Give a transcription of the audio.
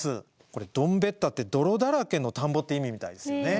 これ「どんべっ田」って「泥だらけの田んぼ」っていう意味みたいですよね。